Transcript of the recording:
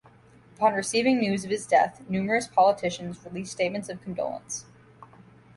Upon receiving news of his death, numerous politicians released statements of condolence.